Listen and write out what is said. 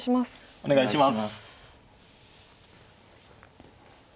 お願いします。